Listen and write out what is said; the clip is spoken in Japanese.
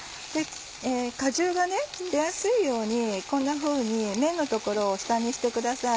果汁が出やすいようにこんなふうに面の所を下にしてください。